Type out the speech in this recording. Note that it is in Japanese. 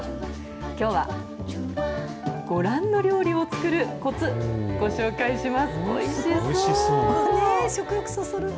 きょうはご覧の料理を作るこつ、おいしそう。